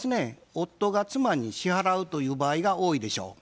夫が妻に支払うという場合が多いでしょう。